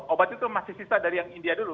obat itu masih sisa dari yang india dulu